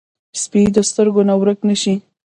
سپي د سترګو نه ورک نه شي.